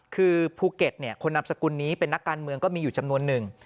คือภูเก็ตคนนามสกุลนี้เป็นนักการเมืองก็มีอยู่จำนวนหนึ่ง